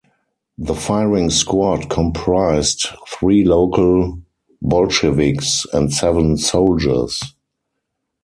The firing squad comprised three local Bolsheviks and seven soldiers.